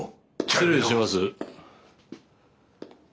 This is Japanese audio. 失礼します。